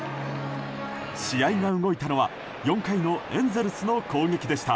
試合が動いたのは４回のエンゼルスの攻撃でした。